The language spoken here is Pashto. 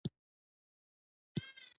ځمکه کوروي شکل لري